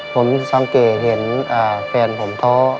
ผมสังเกตเห็นแฟนผมท้อ